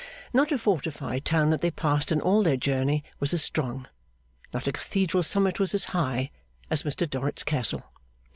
Not a fortified town that they passed in all their journey was as strong, not a Cathedral summit was as high, as Mr Dorrit's castle.